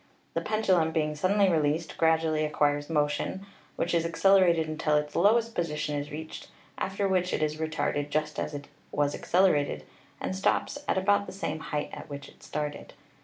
The pendulum being suddenly released gradually acquires motion, which is accelerated until its lowest position is reached, after which it is retarded just as it was accelerated and stops at about the same height at which it started.